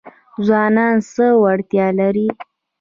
ځوانان څه وړتیا لري؟